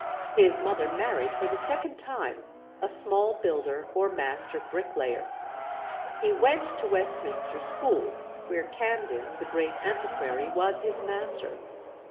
His mother married for the second time a small builder or master bricklayer. He went to Westminster school, where Camden, the great antiquary, was his master.